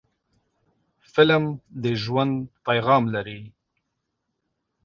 فلم د ژوند پیغام لري